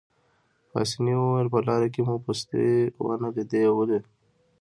پاسیني وویل: په لاره کې مو پوستې ونه لیدې، ولې؟